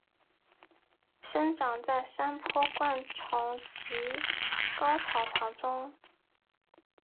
生长在山坡灌丛及高草丛中。